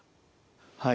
はい。